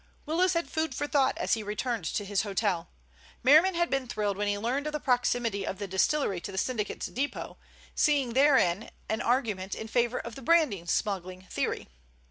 Willis had food for thought as he returned to his hotel. Merriman had been thrilled when he learned of the proximity of the distillery to the syndicate's depot, seeing therein an argument in favor of the brandy smuggling theory.